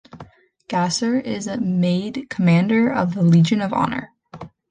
Gasser is made Commander of the Legion of Honor.